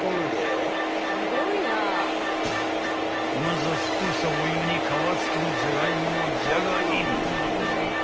［まずは沸騰したお湯に皮付きのじゃがいもをじゃがイン］